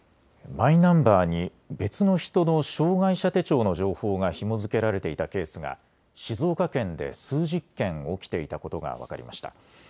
マイナンバーに別の人の障害者手帳の情報がひも付けられていたケースが静岡県で数十件起きていたことが分かりました。